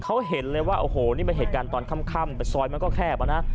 ไม่เห็นเลยว่าโอ้โหนี่มันเห็นกันตอนค่ำซอยมันก็แคบอ่ะนะ